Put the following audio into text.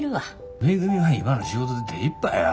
めぐみは今の仕事で手いっぱいやろ。